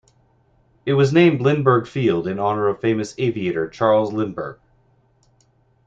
It was named Lindbergh Field in honor of famous aviator Charles Lindbergh.